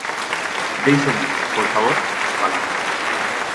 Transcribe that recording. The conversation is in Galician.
Déixeme, por favor, falar.